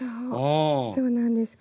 そうなんですけど。